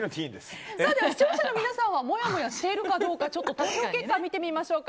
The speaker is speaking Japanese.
視聴者の皆さんはもやもやしているかどうか投票結果を見てみましょう。